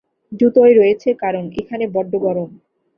জুতোয় রয়েছে, কারণ এখানে বড্ড গরম।